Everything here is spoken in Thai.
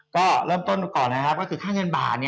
ก็เริ่มต้นก่อนนะครับก็คือค่าเงินบาท